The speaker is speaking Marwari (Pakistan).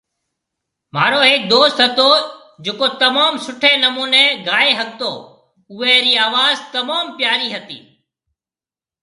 ماهرو هيڪ دوست هتو جڪو تموم سٺي نموني گائي ۿگتو اوئي ري آواز تموم پياري هتي